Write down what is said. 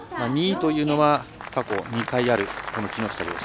２位というのは過去２回ある木下稜介。